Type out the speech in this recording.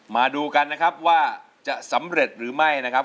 มาดูกันนะครับว่าจะสำเร็จหรือไม่นะครับ